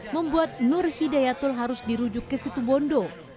membuat nur hidayatul harus dirujuk ke situ bondo